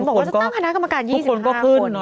บอกว่าจะตั้งคณะกรรมการ๒๕คน